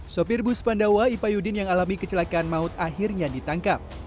sopir bus pandawa ipa yudin yang alami kecelakaan maut akhirnya ditangkap